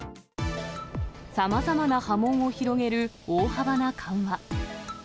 さまざまな波紋を広げる大幅な緩和。